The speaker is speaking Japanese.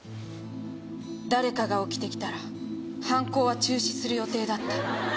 「誰かが起きてきたら犯行は中止する予定だった」